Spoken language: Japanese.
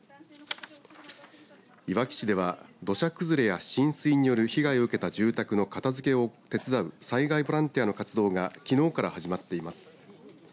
いわき市では土砂崩れや浸水による被害を受けた住宅の片づけを手伝う災害ボランティアの活動がきのうから始まっています。